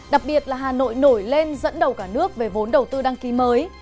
đặc biệt là hà nội nổi lên dẫn đầu cả nước về vốn đầu tư đăng ký mới